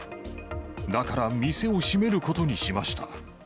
だから店を閉めることにしました。